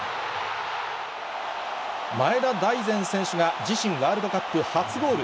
前田大然選手が、自身ワールドカップ初ゴール。